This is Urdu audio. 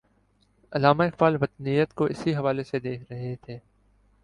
علامہ اقبال وطنیت کو اسی حوالے سے دیکھ رہے تھے۔